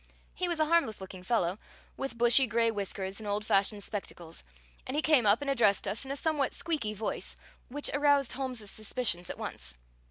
He was a harmless looking fellow, with bushy gray whiskers and old fashioned spectacles, and he came up and addressed us in a somewhat squeaky voice, which aroused Holmes's suspicions at once.